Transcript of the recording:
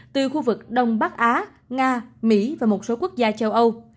từ khu vực đông bắc á nga mỹ và một số quốc gia châu âu